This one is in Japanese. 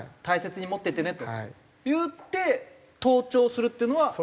大切に持っててねと言って盗聴するっていうのは？